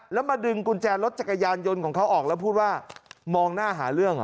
แล้วมาดึงกุญแจรถจักรยานยนต์ของเขาออกแล้วพูดว่ามองหน้าหาเรื่องเหรอ